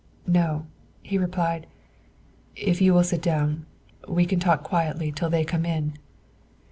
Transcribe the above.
"No," he replied. "If you will sit down, we can talk quietly till they come in."